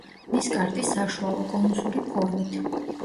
ნისკარტი საშუალო, კონუსური ფორმით.